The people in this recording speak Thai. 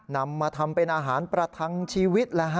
นำมาทำเป็นอาหารประทังชีวิต